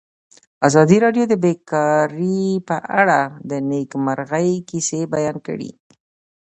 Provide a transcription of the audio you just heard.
ازادي راډیو د بیکاري په اړه د نېکمرغۍ کیسې بیان کړې.